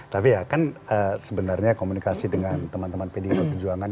tapi ya kan sebenarnya komunikasi dengan teman teman pdi perjuangan